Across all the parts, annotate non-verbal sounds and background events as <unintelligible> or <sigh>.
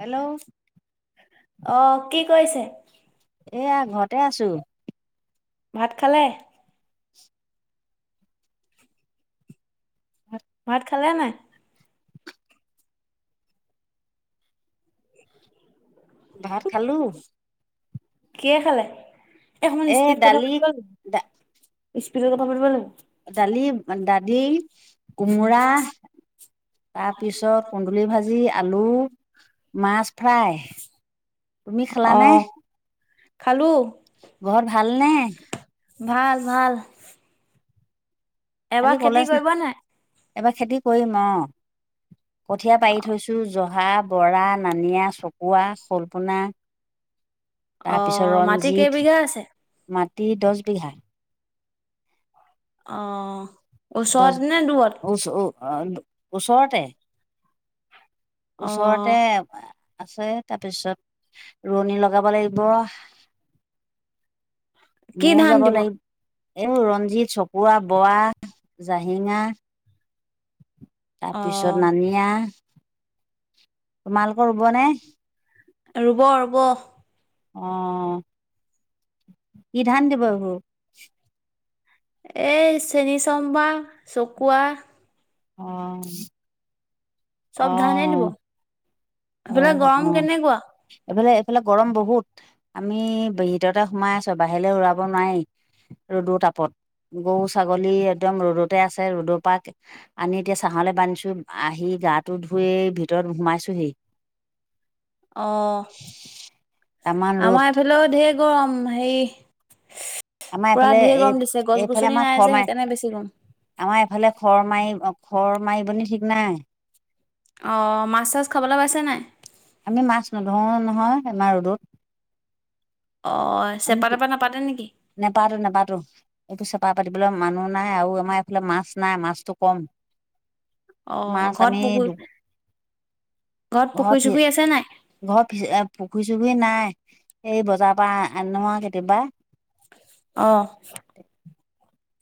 Hello আহ কি কৈছে এয়া ঘৰতে আছো ভাত খালে ভাত খালে নাই ভাত খালো ক খালে এখন এ স্পীড কথা দালি পাতি দা স্পিকৰ কথা পাতিব লাগিব দালি দালি কোমোৰা তাৰপিছত কুন্দুলি ভাজি আলু মাছ ফ্ৰাই তুমি খালানে খালো। ঘৰ ভাল নে ভাল ভাল। আজি এবাৰ খেতি কলেজ না কৰিব নাই। এবাৰ খেতি কৰিম অ, কঠীয়া পাৰি থৈছো জ পহা, বৰা নানিয়া, চকোৱা, শলপোনা তাৰপিছত অ', মাটি ৰঞ্জিত কেইবিঘা আছে? মাটি দচ বিঘা। অ' ওচৰত নে দূৰত অ ওচৰতে। ওচৰতে অ', আছে তাৰপিছত ৰোৱনী লগাব লাগিব কি ময়ও ধান যাব দিব? লাগিব এই ৰঞ্জিত চপুৱা বোৱা যায় লাহিঙা তাৰপিছত অ', নানিয়া তোমালোকৰ ৰুব নে ৰুব ৰুব। আহ কি ধান দিব এইবোৰ এ চেনী চম্বা চকুৱা অ' চব ধানেই দিব, অ', এইফালে অ', গৰম অ', কেনেকুৱা? এইফালে এইফালে গৰম বহুত আমি ভিতৰতে সোমাই আছো বাহিৰে উৰাব নোৱাৰি। ৰদৰ তাপত গৰু ছাগলী একদম ৰ'দতে আছে ৰ'দৰ পৰা আনি এতিয়া ছাহলৈ বান্ধিছো আহি গাত তো ধুয়ে ভিতৰত সোমাইছোহি অ', তামান ৰ'দ। আমাৰ এইফালেও ধেৰ গৰম, হেৰি আমাৰ পুৰা এইফালে ঢেৰ এই গৰম দিছে গছ এইফালে গছনি আমাৰ নাই যে শৰ্মাই সেইকাৰণে বেছি গৰম। আমাৰ এফালে খ উইৰ মাৰি খৰ মাৰিব নি ঠিক নাই অ', মাছ চাছ খাবলে পাইছে নাই? আমি মাছ নোধৰো নহয় আমাৰ ৰ'দত অ', চেপা তেপা নাপাতে নেকি? নাপাতো নাপাতো এইবোৰ চ পা-পাতিবলৈ মানুহ নাই, আৰু আমাৰ এইফালে মাছ নাই মাছটো কম। অ' মাছ ঘৰত আমি। পুখুৰী <unintelligible> পুখুৰী ঘৰত <unintelligible> চুখুৰী আছে নাই? ঘৰত <unintelligible> পুখুৰী চুখুৰী নাই। এই বজাৰৰ পৰা আ-আনোৱা কেতিয়াবা। অ '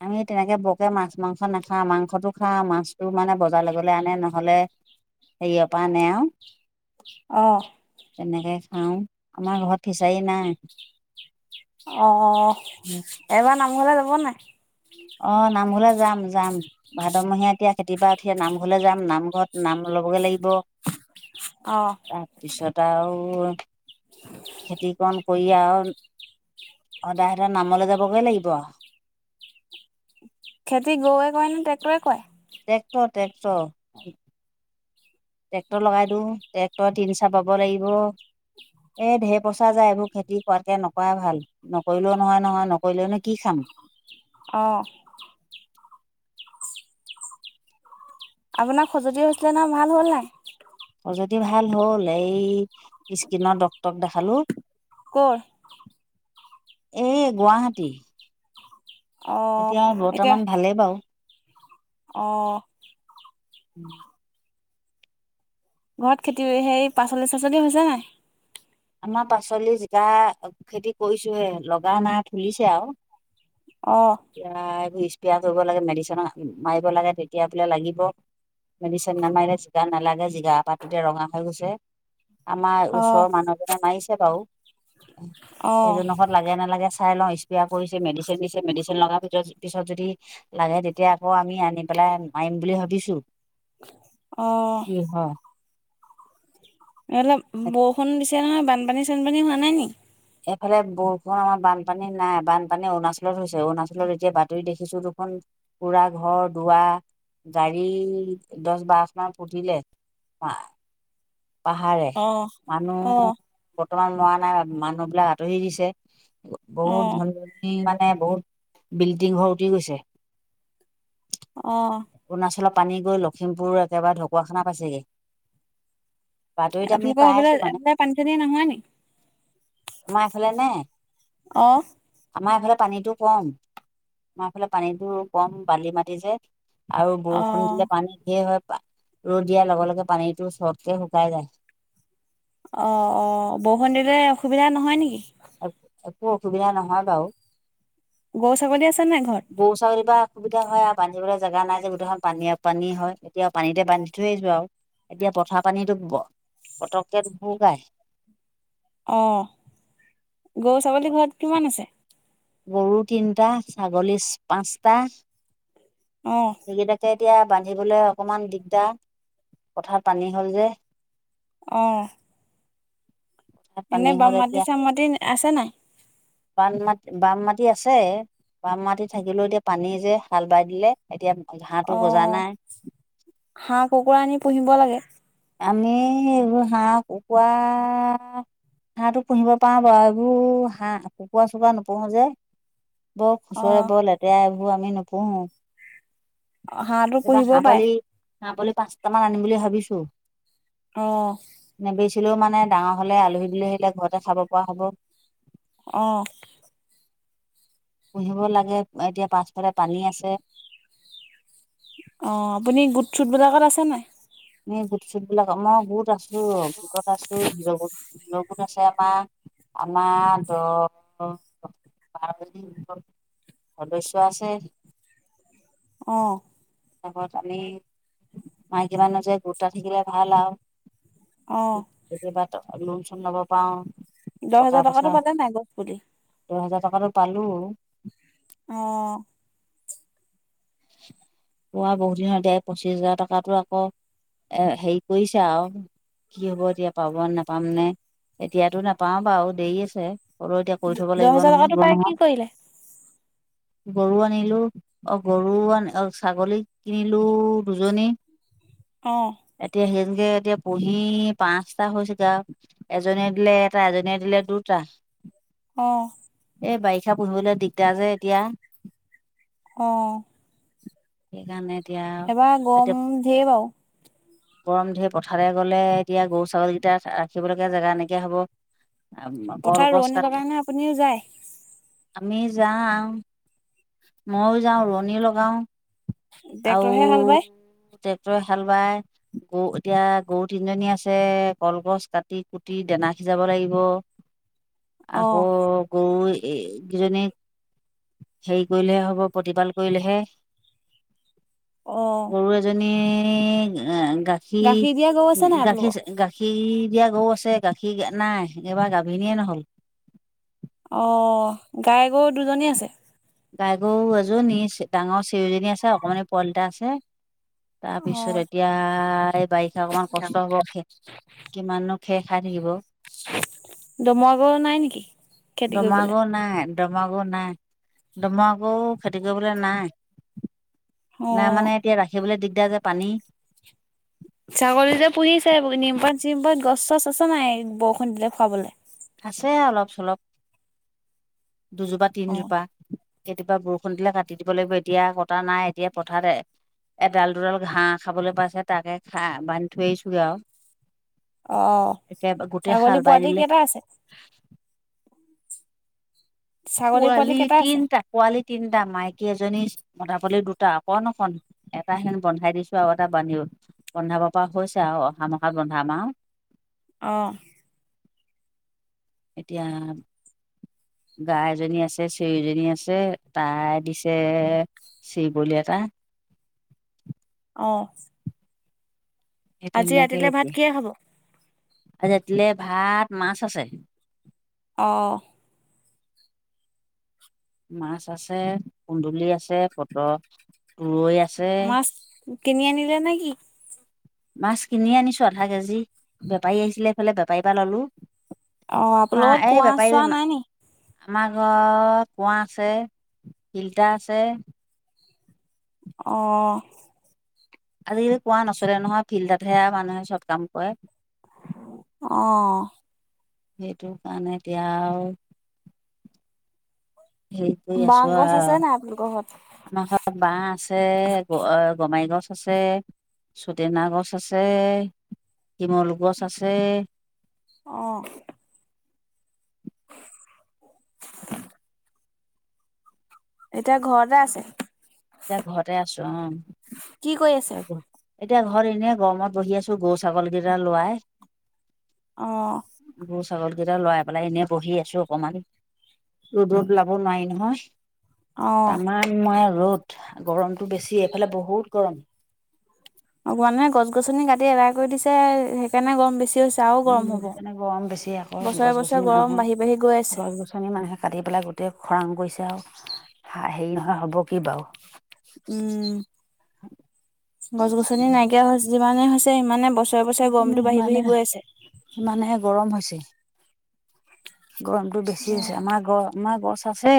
আমি, তেনেকে বৰকে মাছ মাংস নাখাওঁ। মাংসটো খাওঁ, মাছটো মানে বজাৰলে গ'লে আনে নহ'লে। সেই <unintelligible> নেওঁ। অ' তেনেকে খাওঁ, আমাৰ ঘৰত ফিচাৰী নাই। অ এবাৰ নামঘৰলে যাব নাই অ', নামঘৰলৈ যাম, যাম। ভাদমহীয়া এতিয়া খেতি <unintelligible> নামঘৰলৈ যাম, নামঘৰত নাম। লাগিব অ' তাৰপিছত, আৰু খেতিকণ। <unintelligible> সদায় ধৰ, নামলৈ যাবগৈ লাগিব। খেতি গৰুৱে কৰে নে, ট্ৰেক্টৰে কৰে? ট্ৰক্টৰ-ট্ৰেক্টৰ। ট্ৰেক্টৰ লগাই দিওঁ ট্ৰেক্টৰে তিনিচা বাব লাগিব এ ধেৰ পইচা যায় এইবোৰ খেতি কৰাতকে নকৰা ভাল, নকৰিলেও নহয় নহয় নকৰিলেওনো কি খাম? অহ। আপোনাৰ খজুৱতি হৈছিলে নহয়, ভাল হ'ল নাই? যদি ভাল হ'ল এই স্কিনৰ ডক্টৰক দেখালো ক'ৰ? এ গুৱাহাটী। অ' এতিয়া, বৰ্তমান ভালেই বাৰু। অহ উম। ঘৰত খেতি সে-সেই পাচলি চাচলি হৈছে নাই? আমাৰ পাচলি জিকা খেতি কৰিছোহে লগা নাই ফুলিছে আৰু। অ' <unintelligible> পিয়া কৰিব লাগে, মেডিচিন মা-মাৰিব লাগে তেতিয়া বোলে লাগিব। মেডিচিন নামাৰে <unintelligible> নালাগে <unintelligible> পাতিতে ৰঙা হৈ গৈছে। আমাৰ অ' ওচৰৰ মানুহজনে মাৰিছে বাৰু, সেইজনৰ ঘৰত লাগে নে নালাগে। চাই লওঁ স্প্ৰা কৰিছে, মেডিচিন দিছে। মেডিচিন লগা পি-পিছত যদি লাগে, তেতিয়া আকৌ আমি আনি পেলাই। মাৰিম বুলি ভাবিছো অহ কি হয় অলপ বৰষুণ দিছে নহয়, বানপানী চানপানী হোৱা নাই নি? এইফালে বৰষুণ, আমাৰ বানপানী নাই। বানপানী অৰুণাচলত হৈছে, অৰুণাচলত এতিয়া বাতৰিত দেখিছো। এ পুৰা ঘৰ দুৱাৰ গাড়ী দহ বাৰশ মান পুধিলে হয় পাহাৰে, অ অ মানুহ বৰ্তমান ল'ৰা নাই মানুহ বিলাক আঁতৰি দিছে। অ বহুত ধনী ধনী মানে বহুত বিল্ডিং ঘৰ উটি গৈছে অহ। অৰুণাচলৰ পানী গৈ লখিমপুৰ একেবাৰে ঢকুৱাখানা পাইছেগৈ বাতৰিত আমি আপোনালোকৰ পাই সেইফালে আছো মানে এইফালে পানী চানী নহয় নি? আমাৰ এইফালে নে অ আমাৰ এইফালে? পানীটো কম, আমাফালে পানীটো কম বালি মাটি যে। আৰু অ বৰষুণ দিলে পানী ঢেৰ হয়, ৰ'দ দিয়াৰ লগে লগে পানীটো চটকে শুকাই যায়। অ', অ', বৰষুণ দিলে অসুবিধা নহয় নেকি? এক-একো অসুবিধা নহয় বাৰু। গৰু, ছাগলী আছ গৰু, ছাগলী বা সুবিধা হয় আৰু বান্ধিবলৈ জেগা নাই যে গোটেইখন পানীয়া পানী হয়, এতিয়া পানীতে বান্ধি থৈ আহিছো আৰু। এতিয়া পথাৰৰ পানীটো প-পতককে নোসোকাই। অ', গৰু, ছাগলী ঘৰত কিমান আছে? গৰু তিনটা ছাগলী পাঁচটা। অ সেইকেইটাকে এতিয়া বান্ধিবলৈ অকমান দিগদাৰ পথাৰত পানী হ'ল যে। অ'। এনে পানীহল বাম মাটি এতিয়া চাম মাটি আছে নাই? বাম মাত বাম মাত টি আছে বাম মাটি থাকিলেও এতিয়া পানী যে, হাল বাই দিলে এতিয়া ঘাঁহটো গজা অ', নাই হাঁহ, কুকুৰা আনি পুহিব লাগে। আমি এইবোৰ হাঁহ কুকুৰা হাঁহটো পুহিব পাওঁ বাৰু এইবোৰ হাঁহ কুকুৰা চুকুৰা নোপোহো যে বৰ অ খুচৰে বৰ লেতেৰা এইবোৰ আমি নুপুহু। অ হাঁহটো পুহিব পাই আ বুলি পাঁচটামান আনিম বুলি ভাবিছো আহ ছিলেও মানে ডাঙৰ হ'লে আলহী দিলে সেইবিলাক ঘৰতে খাব পৰা হ'ব। অ', পুহিব লাগে এতিয়া পাছফালে পানী আছে অ আপুনি গুট চুট বিলাকত আছে নাই এনে গোট চুট বিলাক মই বোত আছো গোটত আছো গো গোট আছে আমাৰ আমাৰ দ বাৰ দিন সদস্য আছে। অ', তপত আমি মাইকীমানুহ যে গোটত থাকিলে ভাল আৰু অ কেতিয়াবা লোন চোন লব পাও দহ টকা হাজাৰ টকাটো পইচা পালে নাই গছ পুলি দহ হেজাৰ টকাটো পালো। অ <inaudible> পোৱা বহুত দিন দে পঁচিশ হাজাৰ টকাটো আকৌ এ হেৰি কৰিছো আৰু কি হব এতিয়া পাব নাপাম নে এতিয়াতো নাপাও বাৰু দেৰি আছে হ'ল এতিয়া কৰি থব দহ লাগিব হাজাৰ নহয়, টকাটো পাই কি কৰিলে গৰু আনিলো। গৰু আনি ছাগলী কিনিলো দুজনী অ এতিয়া সেই এতিয়া পঢ়ি পাঁচটা হৈছেগে এজনীয়ে দিলে এটা এজনীয়ে দিলে দুটা অ' এই বাৰিষা পুহিবলৈ দিগদাৰ যে এতিয়া অ', সেইকাৰণে। এতিয়া এবাৰ এতিয়া গম ধেৰ বাও গৰম ধেৰ পথাৰলে গলে এতিয়া গৰু ছাগলী কেইটা ৰাখিবলৈকে জেগা নাইকিয়া হব। পথাৰ কলগছ ৰোৱনী লগা কাটি কাৰণে আপুনিও যায় আমি যাওঁ মইয়ো যাওঁ ৰোৱনীও লগাওঁ আৰু ট্ৰেক্টৰহে হাল বাই ট্ৰেক্টৰে হাল বাই। গৰু, এতিয়া গৰু তিনিজনী আছে। কলগছ কাটি-কুটি দানা সিজাব লাগিব। অ আকৌ গৈ। এইকেইজনীক হেৰি কৰিলেহে হ'ব। প্ৰতিপাল কৰিলেহে অ'। এ গাখীৰ, দিয়া গৰু আছে নাই গাখীৰ, আপোনালোকৰ গাখীৰ। এতিয়া গৰু আছে গাখীৰ নাই একবাৰ গাভিনীয়ে নহ'ল অ গাই গৰু দুজনী আছে। গাই গৰু এযোৰ নিছে, ডাঙৰ চিৰজনী আছে অকণমানি পোৱালি দুটা আছে। অ তাৰপিছত এতিয়া এই বাৰিষা অকমান কষ্ট হ'ব খে কিমাননো। খে খাই থাকিব। দমৰা গৰু নাই নেকি খেতি কৰিবলৈ। দমৰা গৰু নাই, দমৰা গৰু খেতি কৰিবলৈ নাই। অ নাই মানে, এতিয়া ৰাখিবলৈ দিগদাৰ যে পানী। ছাগলী যে পুহিছে, নিমপাত, চিমপাত গছ চছ আছে নাই, বৰষুণ দিলে খুৱাবলৈ? আছে অলপ চলপ দুজোপা অ তিনজোপা। কেতিয়াবা বৰষুণ দিলে কাটি দিব লাগিব, এতিয়া কটা নাই এতিয়া পথাৰতে। এডাল দুডাল ঘাঁহ খাবলৈ পাইছে, তাকে খাঁ বান্ধি থৈ আহিছোগে আৰু। অহ, একে গোটেই হাল ছাগলী বাই পোৱালি দিলে কেইটা আছে? ছাগলী পোৱালি কেইটা আছে তিনটা পোৱালি তিনটা মাইকী এজনী। মধা পলি দুটা অকণ, অকন। এটা ক্ষীণ বন্ধাই দিছো, আৰু এটা বান্ধো-বন্ধাব পৰা হৈছে আৰু। অ অহা মখাত বন্ধাম আ। অ এতিয়া। গাই এজনী আছে চেৰিজনী আছে তাই দিছে। <unintelligible> <unintelligible> অ'ফ সেইটেনেকে কিহে খাব? <unintelligible> লে ভাত মাছ আছে। অ' মাছ আছে, কুন্দুলি আছে, পট-তুৰৈ আছে। মাছ, কিনি আনিলে নে কি? মাছ কিনি আনিছো আধা কেজি, বেপাৰী আহিছিলে এইফালে বেপাৰীৰ পৰা ল'লো। অ মা আপোনালোকৰ এই কুঁৱা বেপাৰী চোৱা নাই নিকি। আমাৰ ঘৰত কুঁৱা আছে ফিল্টাৰ আছে। অ'। আজিকালি আহ সেইটো কাৰণে, এতিয়া আৰু। হেৰি কৰি বাঁহ আছো গছ আৰু, আছে নাই আপোনালোকৰ ঘৰত? আমাৰ ঘৰত বাঁহ আছে গমাই গছ আছে চুটেনা গছ আছে। শিমলু গছ আছে। আহ এতিয়া ঘৰতে আছে। এতিয়া ঘৰতে আছো অ। কি কৈ আছে। পোহৰ এনেৱে গৰমত বহি আছো, গৰু ছাগলী কেইটা লোৱাই। আহ ছাগল কেইটা লৰাই পেলাই এনেই বহি আছো অকমান ৰ'দ ৰ'দ ওলাব নোৱাৰি নহয়। অ', তামান মই ৰ'দ। গৰমতটো বেছি এইফালে বহুত গৰম। অকমানে গছ গছনি কাটি এৰা কৰি দিছে সেইকাৰণে গৰম বেছি। হৈছে আৰু গৰম উম হ'ব। এইপিনে গৰম বেছি আকৌ গছ বছৰে বছৰে গছনি গৰম মানুহে। বাঢ়ি বাঢ়ি গৈ আছে। গছ গছনি মানুহে কাটি পেলাই গোটেই খৰাং কৰিছে আৰু। হ হেৰি নহয় হ'ব কি বাৰু উম, গছ গছনি নাইকিয়া যিমানে হৈছে। সিমানে বছ বছৰে বছৰে তেনে গৰমটো বাঢ়ি বাঢ়ি মানে গৈ আছে। সিমানেহে গৰমতটো বেছি হৈছে। আমাৰ গছ আমাৰ গছ আছে,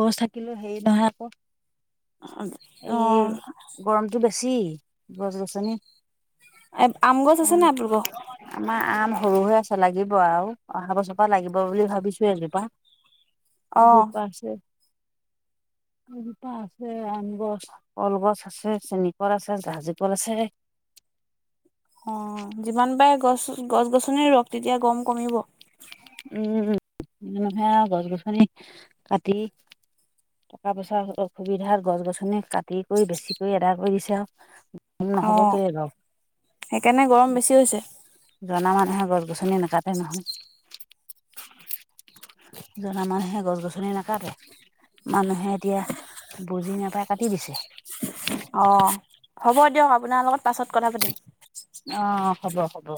গছ থাকিলো হেৰি নহয় আকৌ। অ', এই অ', গৰমটো বেছি। খুছি গছ গছনি আম গছ আছে নাই আপোনালোকৰ? আমাৰ আম। সৰু হৈ আছে লাগিব আও অহা বছৰ পৰা লাগিব বুলি ভাবিছোই এজোপা আজি অঁ পাছে <unintelligible> আম গছ কলগছ আছে চেনিকল আছে জাহাজি কল আছে অ যিমান পাৰে গছ গছ গছনি ৰোৱক তেতিয়া গম কমিব উম মানুহে আও গছ গছনি কাটি টকা পইচাৰ অসুবিধাত গছ গছনি কাটি কৰি বেছিকৈ এদাই কৰি দিছে আও নহ'ব অঁ কেলি বাওঁ। সেইকাৰণে গৰম বেছি হৈছে জনা মানুহে গছ গছনি নাকাতে নহয়। <inaudible> জনা মানুহে গছ গছনি নাকাটে মানুহে এতিয়া বুজি নাপায় কাটি দিছে। অ হ'ব দিয়ক। আপোনাৰ লগত পাছত কথা পাতিম। আহ হ'ব হ'ব।